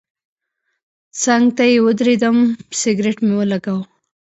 څنګ ته یې ودرېدم سګرټ مې ولګاوه.